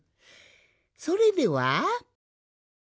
それでは。